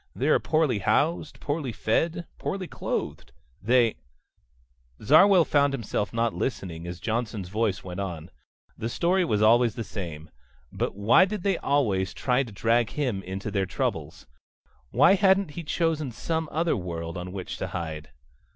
They are poorly housed, poorly fed, poorly clothed. They ..." Zarwell found himself not listening as Johnson's voice went on. The story was always the same. But why did they always try to drag him into their troubles? Why hadn't he chosen some other world on which to hide?